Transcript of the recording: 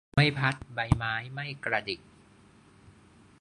ลมไม่พัด ใบไม้ไม่กระดิก